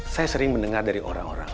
saya sering mendengar dari orang orang